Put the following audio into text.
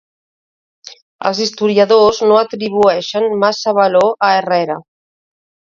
Els historiadors no atribueixen massa valor a Herrera.